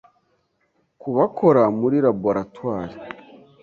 ku bakora muri laboratoire